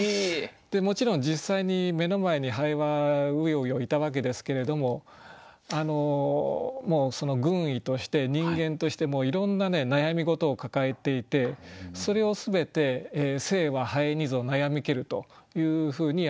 もちろん実際に目の前に蠅はうようよいたわけですけれども軍医として人間としてもいろんな悩み事を抱えていてそれを全て「生は蠅にぞ悩みける」というふうに受け止めたわけです。